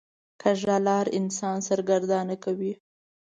کوږه لار خلک سرګردانه کوي